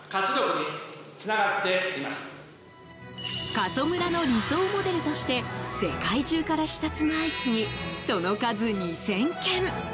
過疎村の理想モデルとして世界中から視察が相次ぎその数、２０００件！